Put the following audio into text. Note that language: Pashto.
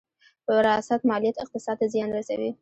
وراثت ماليات اقتصاد ته زیان رسوي.